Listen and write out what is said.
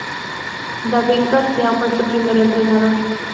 David García fue su primer entrenador.